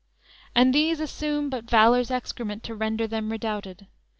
And these assume but valor's excrement, To render them redoubted.